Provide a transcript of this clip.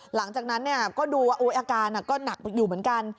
หลังจากนั้นก็ดูว่าอาการก็หนักอยู่เหมือนกัน